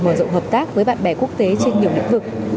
mở rộng hợp tác với bạn bè quốc tế trên nhiều lĩnh vực